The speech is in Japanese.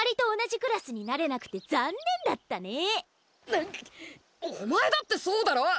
なっお前だってそうだろう！